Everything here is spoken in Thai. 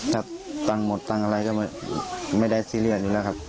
ถ้าเงินทั้งหมดตังค์อะไรก็ไม่ได้ซีลินท์